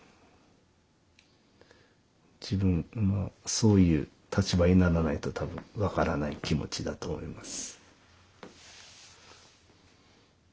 そういう立場にならないと多分分からない気持ちだと思います。